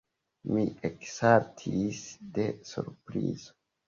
Mi eksaltis de surprizo.